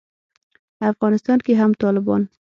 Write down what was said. افغانستان کې هم طالبان